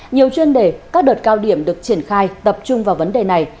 nhiều chuyên đề các đợt cao điểm được triển khai tập trung vào vấn đề này